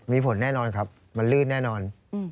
มีผลแน่นอนครับมันลื่นแน่นอน